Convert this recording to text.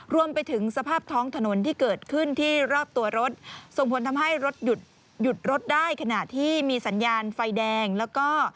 รวมไปถึงสภาพท้องถนนที่เกิดขึ้นที่รอบตัวรถส่งผลทำให้รถหยุดหยุดรถได้ขณะที่มีสัญญาณไฟแดงแล้วก็